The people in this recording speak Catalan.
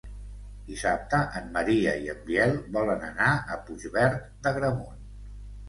Dissabte en Maria i en Biel volen anar a Puigverd d'Agramunt.